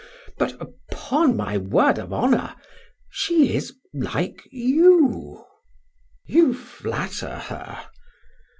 But upon my word of honor, she is like you!" "You flatter her!"